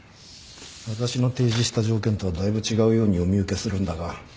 私の提示した条件とはだいぶ違うようにお見受けするんだが。